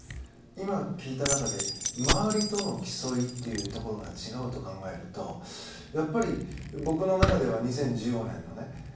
今、聞いた中で周りとの競うというところが違うと考えるとやっぱり、僕の中では２０１５年の「ＳＥＩＭＥＩ」。